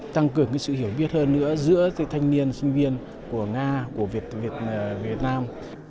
tăng cường sự hiểu biết hơn nữa giữa thanh niên sinh viên của nga của việt nam